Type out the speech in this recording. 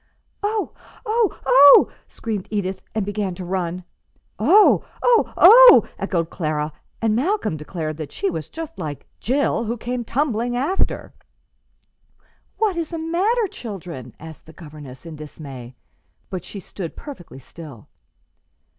"Oh! oh! oh!" screamed Edith, and began to run. "Oh! oh! oh!" echoed Clara; and Malcolm declared that she was just like "Jill," who "came tumbling after." "What is the matter, children?" asked their governess, in dismay; but she stood perfectly still.